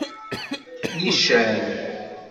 Nican.